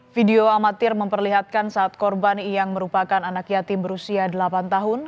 video amatir memperlihatkan saat korban yang merupakan anak yatim berusia delapan tahun